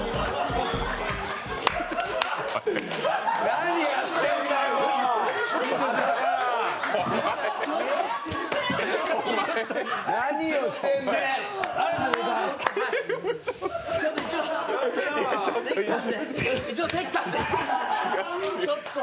何やってんだよ、朝から。